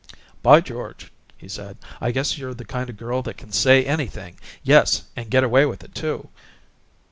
"By George!" he said. "I guess you're the kind of girl that can say anything yes, and get away with it, too!"